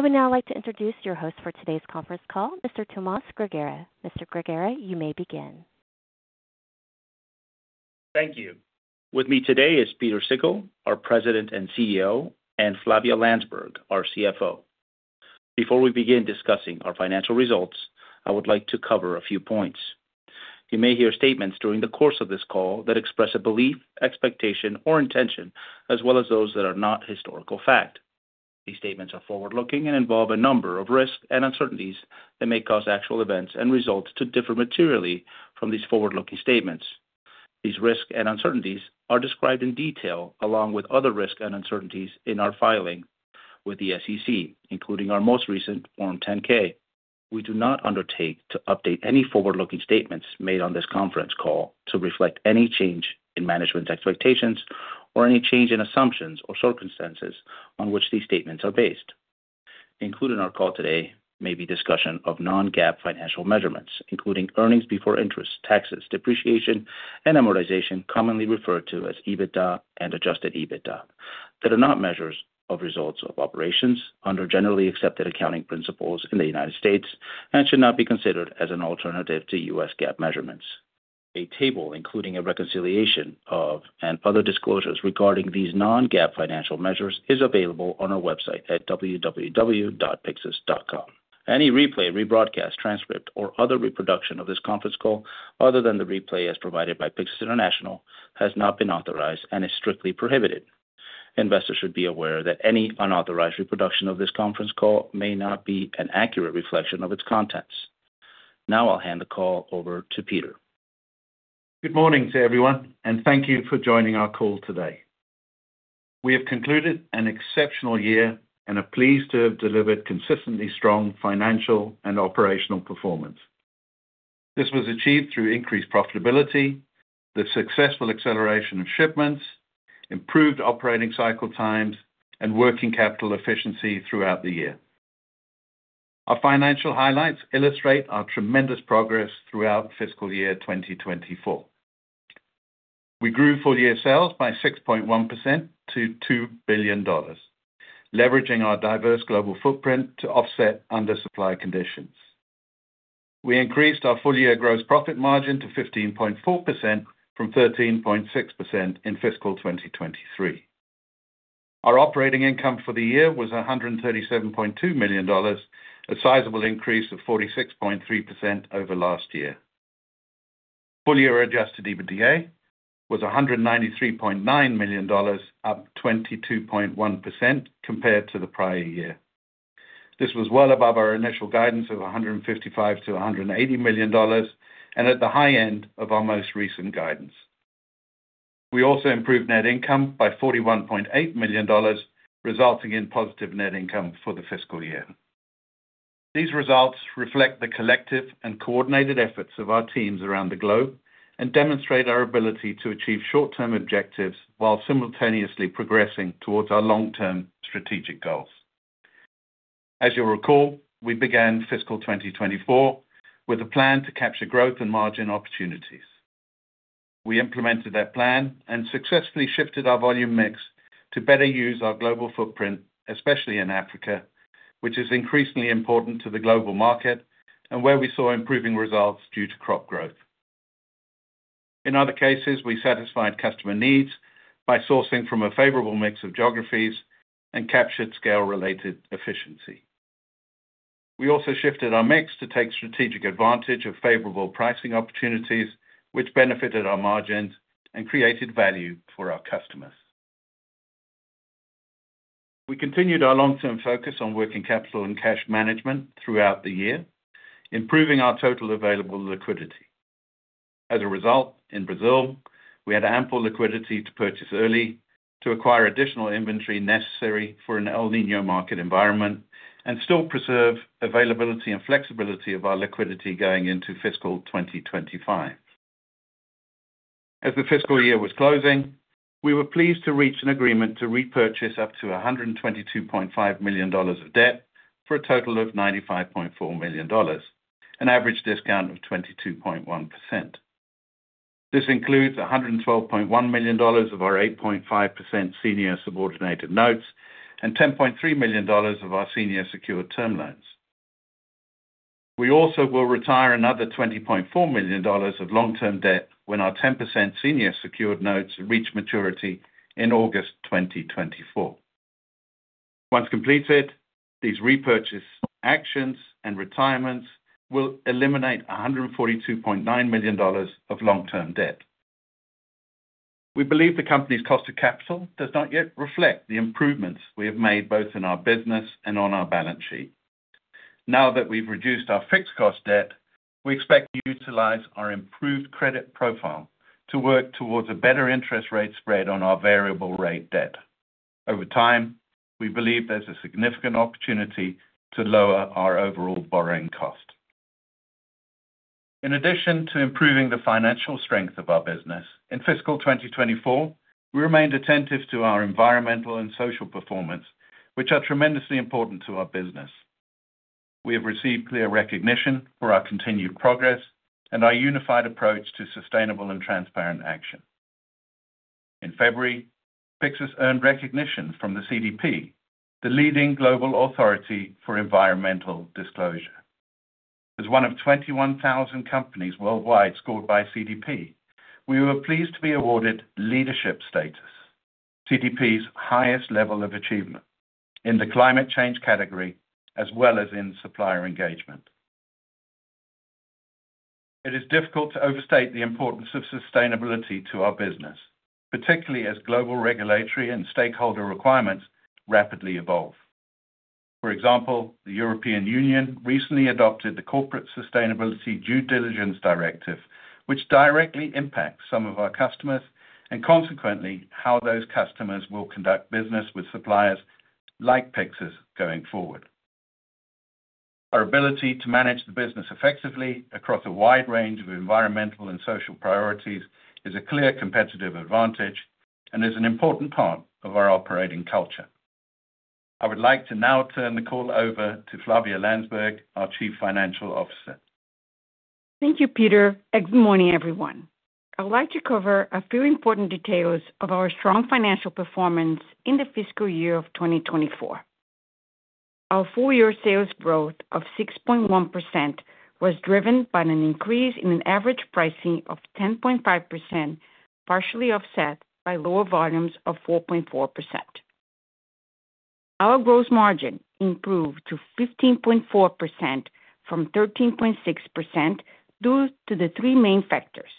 I would now like to introduce your host for today's conference call, Mr. Tomas Grigera. Mr. Grigera, you may begin. Thank you. With me today is Pieter Sikkel, our President and CEO, and Flavia Landsberg, our CFO. Before we begin discussing our financial results, I would like to cover a few points. You may hear statements during the course of this call that express a belief, expectation, or intention, as well as those that are not historical fact. These statements are forward-looking and involve a number of risks and uncertainties that may cause actual events and results to differ materially from these forward-looking statements. These risks and uncertainties are described in detail, along with other risks and uncertainties in our filing with the SEC, including our most recent Form 10-K. We do not undertake to update any forward-looking statements made on this conference call to reflect any change in management's expectations or any change in assumptions or circumstances on which these statements are based. Included in our call today may be discussion of non-GAAP financial measurements, including earnings before interest, taxes, depreciation, and amortization, commonly referred to as EBITDA and adjusted EBITDA, that are not measures of results of operations under generally accepted accounting principles in the United States, and should not be considered as an alternative to U.S. GAAP measurements. A table, including a reconciliation of, and other disclosures regarding these non-GAAP financial measures, is available on our website at www.pyxus.com. Any replay, rebroadcast, transcript, or other reproduction of this conference call, other than the replay as provided by Pyxus International, has not been authorized and is strictly prohibited. Investors should be aware that any unauthorized reproduction of this conference call may not be an accurate reflection of its contents. Now I'll hand the call over to Pieter. Good morning to everyone, and thank you for joining our call today. We have concluded an exceptional year and are pleased to have delivered consistently strong financial and operational performance. This was achieved through increased profitability, the successful acceleration of shipments, improved operating cycle times, and working capital efficiency throughout the year. Our financial highlights illustrate our tremendous progress throughout fiscal year 2024. We grew full-year sales by 6.1% to $2 billion, leveraging our diverse global footprint to offset under-supply conditions. We increased our full-year gross profit margin to 15.4% from 13.6% in fiscal 2023. Our operating income for the year was $137.2 million, a sizable increase of 46.3% over last year. Full year adjusted EBITDA was $193.9 million, up 22.1% compared to the prior year. This was well above our initial guidance of $155 million-$180 million, and at the high end of our most recent guidance. We also improved net income by $41.8 million, resulting in positive net income for the fiscal year. These results reflect the collective and coordinated efforts of our teams around the globe and demonstrate our ability to achieve short-term objectives while simultaneously progressing towards our long-term strategic goals. As you'll recall, we began fiscal 2024 with a plan to capture growth and margin opportunities. We implemented that plan and successfully shifted our volume mix to better use our global footprint, especially in Africa, which is increasingly important to the global market and where we saw improving results due to crop growth. In other cases, we satisfied customer needs by sourcing from a favorable mix of geographies and captured scale-related efficiency. We also shifted our mix to take strategic advantage of favorable pricing opportunities, which benefited our margins and created value for our customers. We continued our long-term focus on working capital and cash management throughout the year, improving our total available liquidity. As a result, in Brazil, we had ample liquidity to purchase early, to acquire additional inventory necessary for an El Niño market environment, and still preserve availability and flexibility of our liquidity going into fiscal 2025. As the fiscal year was closing, we were pleased to reach an agreement to repurchase up to $122.5 million of debt for a total of $95.4 million, an average discount of 22.1%. This includes $112.1 million of our 8.5% senior subordinated notes and $10.3 million of our senior secured term loans. We also will retire another $20.4 million of long-term debt when our 10% senior secured notes reach maturity in August 2024. Once completed, these repurchase actions and retirements will eliminate $142.9 million of long-term debt. We believe the company's cost of capital does not yet reflect the improvements we have made, both in our business and on our balance sheet. Now that we've reduced our fixed cost debt, we expect to utilize our improved credit profile to work towards a better interest rate spread on our variable rate debt. Over time, we believe there's a significant opportunity to lower our overall borrowing cost. In addition to improving the financial strength of our business, in fiscal 2024, we remained attentive to our environmental and social performance, which are tremendously important to our business. We have received clear recognition for our continued progress and our unified approach to sustainable and transparent action. In February, Pyxus earned recognition from the CDP, the leading global authority for environmental disclosure. As one of 21,000 companies worldwide scored by CDP, we were pleased to be awarded leadership status, CDP's highest level of achievement in the climate change category, as well as in supplier engagement. It is difficult to overstate the importance of sustainability to our business, particularly as global regulatory and stakeholder requirements rapidly evolve. For example, the European Union recently adopted the Corporate Sustainability Due Diligence Directive, which directly impacts some of our customers, and consequently, how those customers will conduct business with suppliers like Pyxus going forward. Our ability to manage the business effectively across a wide range of environmental and social priorities is a clear competitive advantage and is an important part of our operating culture. I would like to now turn the call over to Flavia Landsberg, our Chief Financial Officer. Thank you, Pieter, and good morning, everyone. I would like to cover a few important details of our strong financial performance in the fiscal year of 2024. Our full year sales growth of 6.1% was driven by an increase in an average pricing of 10.5%, partially offset by lower volumes of 4.4%. Our gross margin improved to 15.4% from 13.6%, due to the three main factors: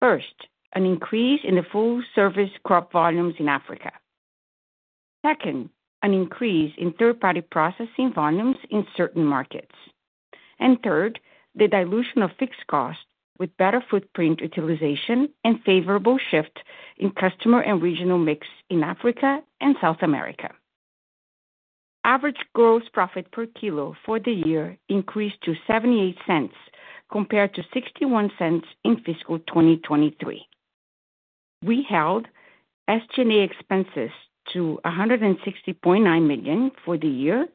First, an increase in the full-service crop volumes in Africa. Second, an increase in third-party processing volumes in certain markets. And third, the dilution of fixed costs with better footprint utilization and favorable shift in customer and regional mix in Africa and South America. Average gross profit per kilo for the year increased to $0.78, compared to $0.61 in fiscal 2023. We held SG&A expenses to $160.9 million for the year,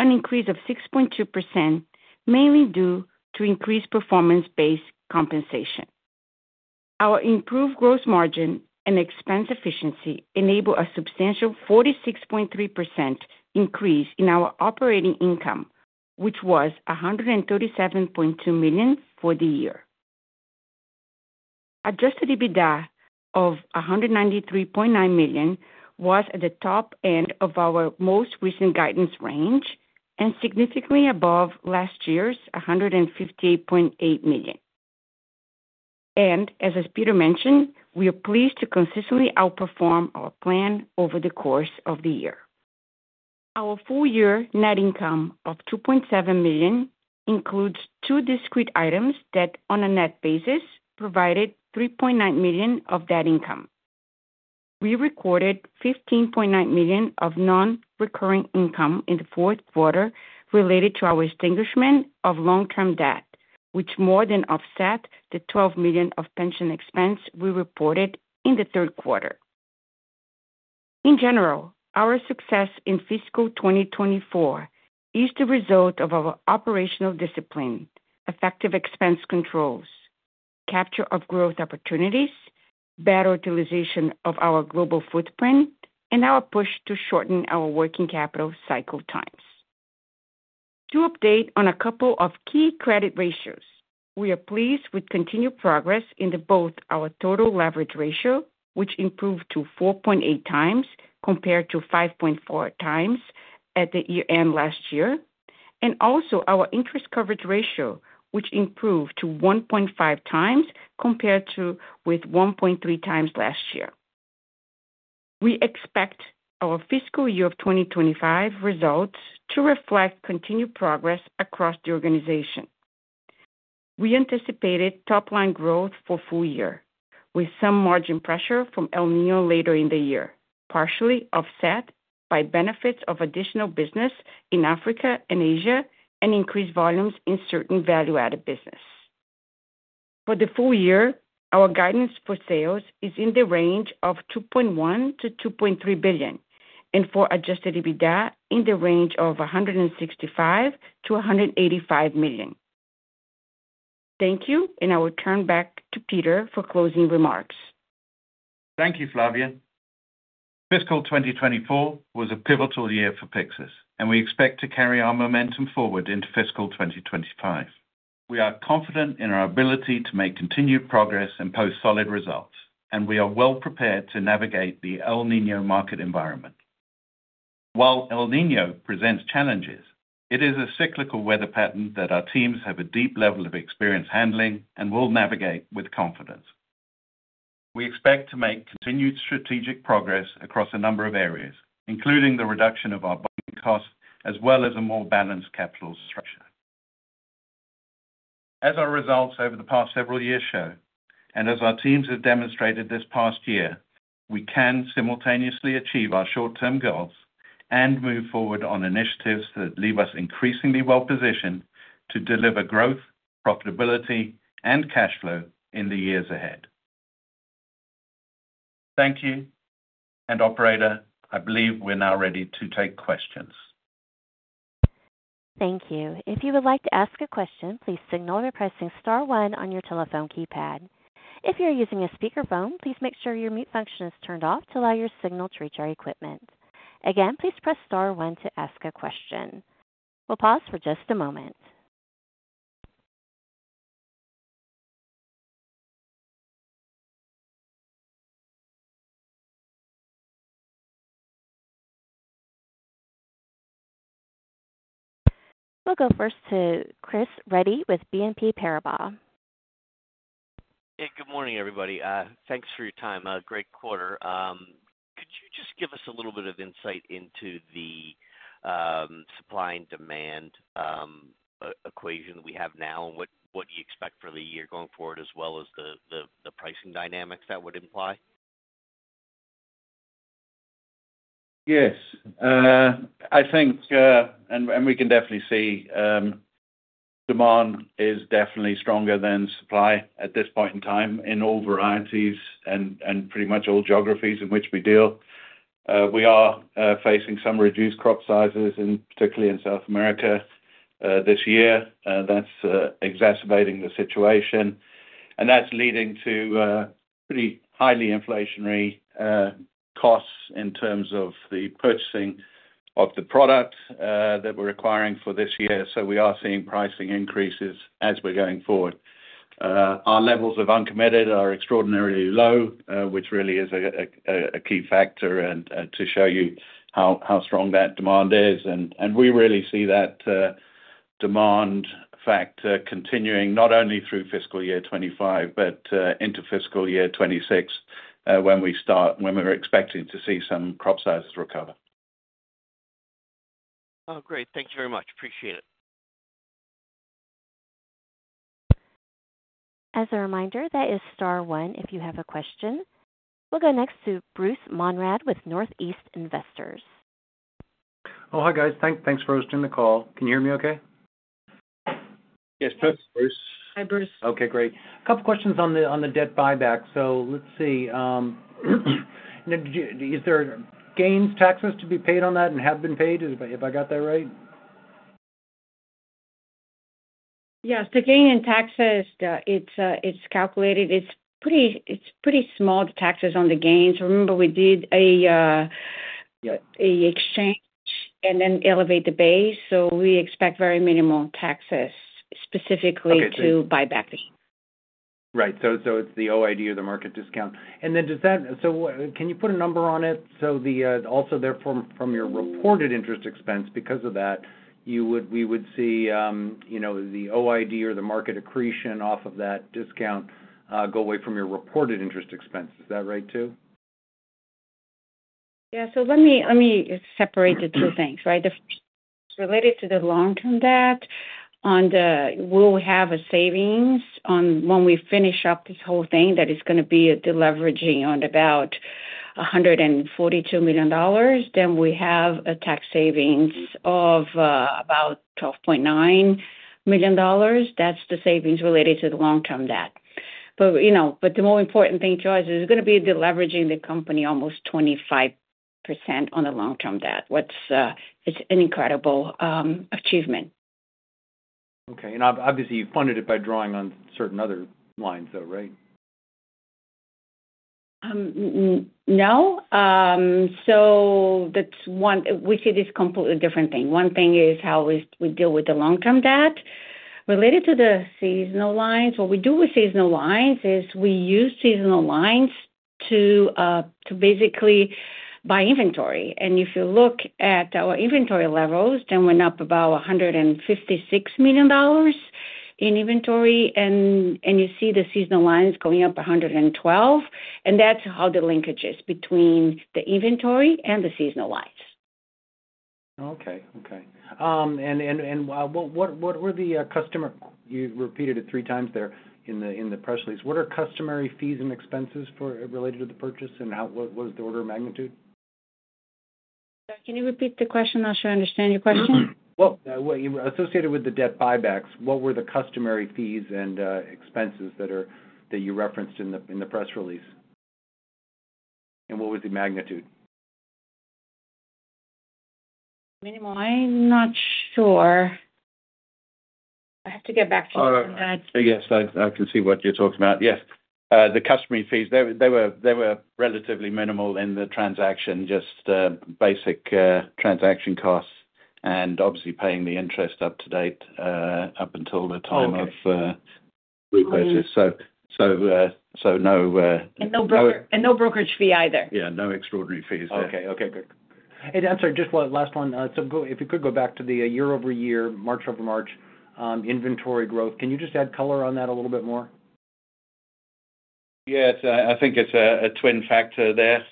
an increase of 6.2%, mainly due to increased performance-based compensation. Our improved gross margin and expense efficiency enable a substantial 46.3% increase in our operating income, which was $137.2 million for the year. Adjusted EBITDA of $193.9 million was at the top end of our most recent guidance range, and significantly above last year's, $158.8 million. And as Pieter mentioned, we are pleased to consistently outperform our plan over the course of the year. Our full year net income of $2.7 million includes two discrete items that, on a net basis, provided $3.9 million of that income. We recorded $15.9 million of non-recurring income in the fourth quarter related to our extinguishment of long-term debt, which more than offset the $12 million of pension expense we reported in the third quarter. In general, our success in fiscal 2024 is the result of our operational discipline, effective expense controls, capture of growth opportunities, better utilization of our global footprint, and our push to shorten our working capital cycle times. To update on a couple of key credit ratios, we are pleased with continued progress into both our total leverage ratio, which improved to 4.8x compared to 5.4x at the year-end last year, and also our interest coverage ratio, which improved to 1.5x compared to one point three times last year. We expect our fiscal year 2025 results to reflect continued progress across the organization. We anticipated top-line growth for full year, with some margin pressure from El Niño later in the year, partially offset by benefits of additional business in Africa and Asia, and increased volumes in certain value-added business. For the full year, our guidance for sales is in the range of $2.1 billion-$2.3 billion, and for Adjusted EBITDA in the range of $165 million-$185 million. Thank you, and I will turn back to Pieter for closing remarks. Thank you, Flavia. Fiscal 2024 was a pivotal year for Pyxus, and we expect to carry our momentum forward into fiscal 2025. We are confident in our ability to make continued progress and post solid results, and we are well prepared to navigate the El Niño market environment. While El Niño presents challenges, it is a cyclical weather pattern that our teams have a deep level of experience handling and will navigate with confidence. We expect to make continued strategic progress across a number of areas, including the reduction of our borrowing costs, as well as a more balanced capital structure. As our results over the past several years show, and as our teams have demonstrated this past year, we can simultaneously achieve our short-term goals and move forward on initiatives that leave us increasingly well-positioned to deliver growth, profitability, and cash flow in the years ahead. Thank you. And Operator, I believe we're now ready to take questions.... Thank you. If you would like to ask a question, please signal by pressing star one on your telephone keypad. If you're using a speakerphone, please make sure your mute function is turned off to allow your signal to reach our equipment. Again, please press star one to ask a question. We'll pause for just a moment. We'll go first to Chris Redl with BNP Paribas. Hey, good morning, everybody. Thanks for your time. A great quarter. Could you just give us a little bit of insight into the supply and demand equation we have now, and what do you expect for the year going forward, as well as the pricing dynamics that would imply? Yes. I think and we can definitely see demand is definitely stronger than supply at this point in time in all varieties and pretty much all geographies in which we deal. We are facing some reduced crop sizes, particularly in South America, this year. That's exacerbating the situation. And that's leading to pretty highly inflationary costs in terms of the purchasing of the product that we're acquiring for this year. So we are seeing pricing increases as we're going forward. Our levels of uncommitted are extraordinarily low, which really is a key factor and to show you how strong that demand is. We really see that demand factor continuing not only through fiscal year 2025, but into fiscal year 2026, when we're expecting to see some crop sizes recover. Oh, great. Thank you very much. Appreciate it. As a reminder, that is star one, if you have a question. We'll go next to Bruce Monrad with Northeast Investors. Oh, hi, guys. Thanks for hosting the call. Can you hear me okay? Yes, Bruce. Hi, Bruce. Okay, great. Couple questions on the, on the debt buyback. So let's see, now, is there gains taxes to be paid on that and have been paid? Have I got that right? Yes, the gain in taxes, it's calculated. It's pretty small, the taxes on the gains. Remember, we did an exchange and then elevate the basis, so we expect very minimal taxes specifically- Okay. -to buyback the... Right. So, so it's the OID or the market discount. And then does that... So can you put a number on it? So, also therefore, from your reported interest expense, because of that, you would—we would see, you know, the OID or the market accretion off of that discount, go away from your reported interest expense. Is that right too? Yeah. So let me, let me separate the two things, right? The, related to the long-term debt, on the, we'll have a savings on when we finish up this whole thing, that is gonna be a deleveraging on about $142 million. Then we have a tax savings of, about $12.9 million. That's the savings related to the long-term debt. But, you know, but the more important thing to us is gonna be deleveraging the company almost 25% on the long-term debt. What's, it's an incredible achievement. Okay. Obviously, you funded it by drawing on certain other lines, though, right? No. So that's one. We see this completely different thing. One thing is how we deal with the long-term debt. Related to the seasonal lines, what we do with seasonal lines is we use seasonal lines to basically buy inventory. And if you look at our inventory levels, then we're up about $156 million in inventory, and you see the seasonal lines going up $112 million, and that's how the linkage is between the inventory and the seasonal lines. Okay. And what were the customer... You repeated it three times there in the press release. What are customary fees and expenses for, related to the purchase, and how what is the order of magnitude? Can you repeat the question? Not sure I understand your question? Well, associated with the debt buybacks, what were the customary fees and expenses that you referenced in the press release? And what was the magnitude? Minimal. I'm not sure. I have to get back to you on that. Oh, yes, I can see what you're talking about. Yes. The customary fees, they were relatively minimal in the transaction, just basic transaction costs and obviously paying the interest up to date, up until the time of- Okay. purchase. So no, No brokerage, and no brokerage fee either. Yeah, no extraordinary fees. Okay. Okay, good. And I'm sorry, just one last one. So go, if you could go back to the year-over-year, March-over-March, inventory growth, can you just add color on that a little bit more? Yes. I think it's a twin factor there.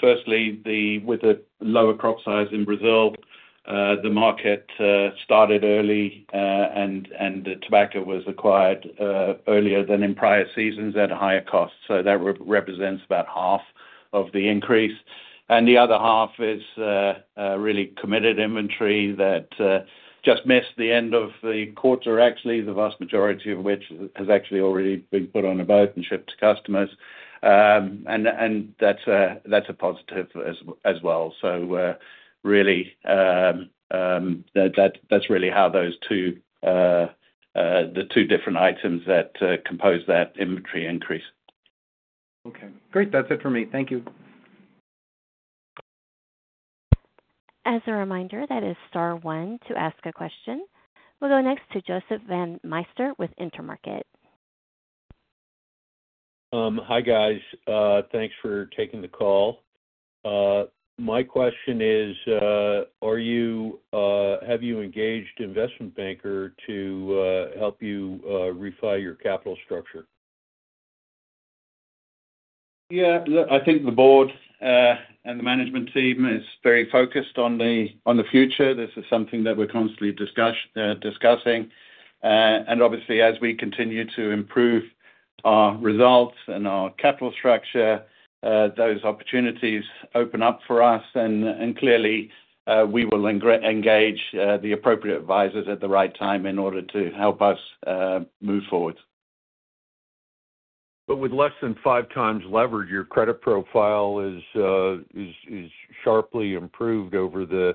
Firstly, with the lower crop size in Brazil, the market started early, and the tobacco was acquired earlier than in prior seasons at higher costs. So that represents about half of the increase, and the other half is really committed inventory that just missed the end of the quarter, actually, the vast majority of which has actually already been put on a boat and shipped to customers. And that's a positive as well. So really, that's really how those two different items compose that inventory increase. Okay, great. That's it for me. Thank you. ... As a reminder, that is star one to ask a question. We'll go next to Joseph von Meister with Intermarket. Hi, guys. Thanks for taking the call. My question is, have you engaged investment banker to help you refi your capital structure? Yeah, look, I think the board and the management team is very focused on the future. This is something that we're constantly discussing. And obviously, as we continue to improve our results and our capital structure, those opportunities open up for us, and clearly, we will engage the appropriate advisors at the right time in order to help us move forward. But with less than 5x leverage, your credit profile is sharply improved over the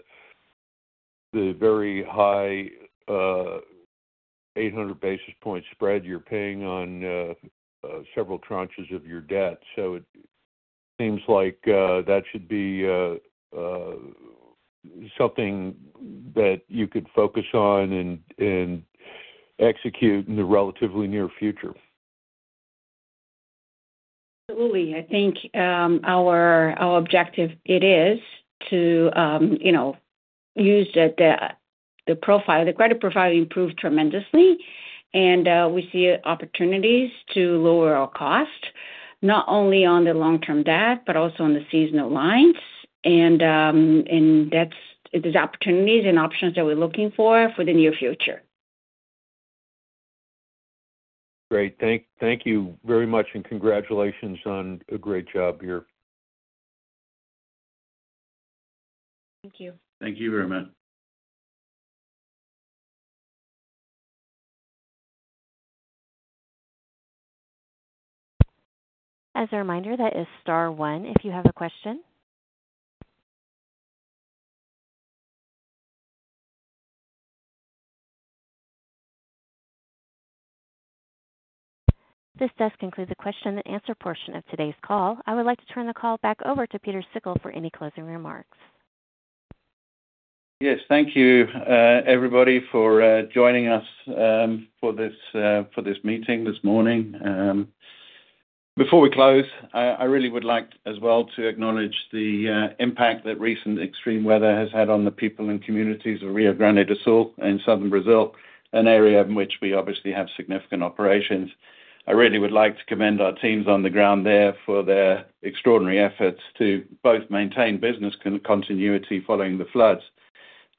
very high 800 basis point spread you're paying on several tranches of your debt. So it seems like that should be something that you could focus on and execute in the relatively near future. Absolutely. I think our objective it is to, you know, use the profile. The credit profile improved tremendously, and we see opportunities to lower our cost, not only on the long-term debt but also on the seasonal lines. And that's, there's opportunities and options that we're looking for for the near future. Great. Thank you very much, and congratulations on a great job here. Thank you. Thank you very much. As a reminder, that is star one, if you have a question. This does conclude the question and answer portion of today's call. I would like to turn the call back over to Pieter Sikkel for any closing remarks. Yes, thank you, everybody, for joining us for this meeting this morning. Before we close, I really would like to, as well, to acknowledge the impact that recent extreme weather has had on the people and communities of Rio Grande do Sul in southern Brazil, an area in which we obviously have significant operations. I really would like to commend our teams on the ground there for their extraordinary efforts to both maintain business continuity following the floods,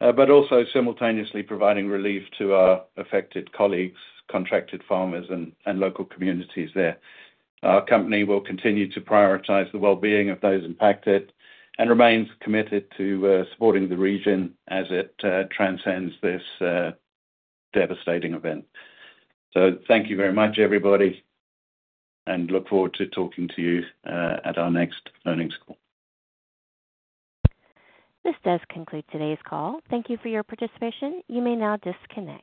but also simultaneously providing relief to our affected colleagues, contracted farmers, and local communities there. Our company will continue to prioritize the well-being of those impacted and remains committed to supporting the region as it transcends this devastating event. So thank you very much, everybody, and look forward to talking to you at our next earnings call. This does conclude today's call. Thank you for your participation. You may now disconnect.